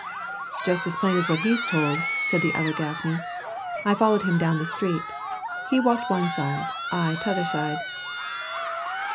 "Just as plain as what he's told," said the other Gaffney. "I followed him down the street; he walked one side, I t'other side.